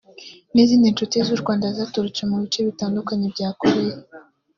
n’izindi nshuti z’u Rwanda zaturutse mu bice bitandukanye bya Korea